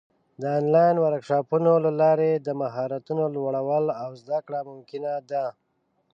د آنلاین ورکشاپونو له لارې د مهارتونو لوړول او زده کړه ممکنه ده.